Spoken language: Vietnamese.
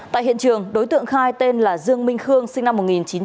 tại hiện trường đối tượng khai tên là dương minh khương sinh năm một nghìn chín trăm tám mươi